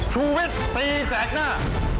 ชูวิทย์ตีแสกหน้า